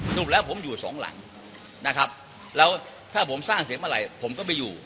สรุปแล้วผมอยู่สองหลังนะครับแล้วถ้าผมสร้างเสียงเมื่อไหร่ผมก็ไปอยู่